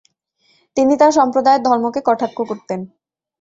তিনি তার সম্প্রদায়ের ধর্মকে কটাক্ষ করতেন।